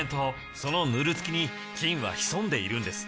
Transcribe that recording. そのヌルつきに菌は潜んでいるんです。